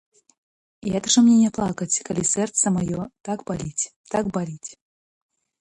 Як жа мне не плакаць, калі сэрца маё так баліць, так баліць!